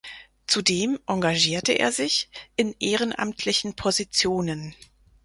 Zudem engagierte er sich in ehrenamtlichen Positionen.